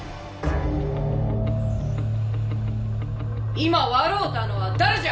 今笑うたのは誰じゃ。